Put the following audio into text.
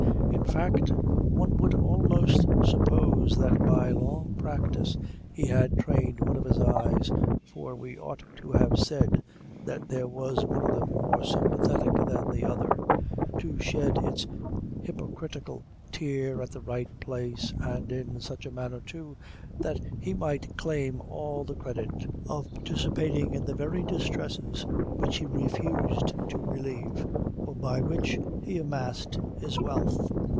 In fact, one would almost suppose that by long practice he had trained one of his eyes for we ought to have said that there was one of them more sympathetic than the other to shed its hypocritical tear at the right place, and in such a manner, too, that he might claim all the credit of participating in the very distresses which he refused to relieve, or by which he amassed his wealth.